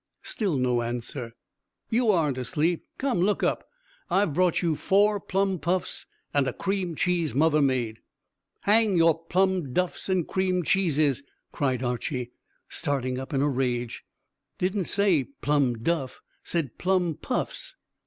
Still no answer. "You aren't asleep. Come, look up. I've brought you four plum puffs, and a cream cheese mother made." "Hang your plum duffs and cream cheeses!" cried Archy, starting up in a rage. "Didn't say plum duff; said plum puffs."